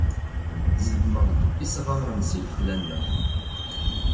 Zedmeɣ-d isɣaren si lexla-nneɣ.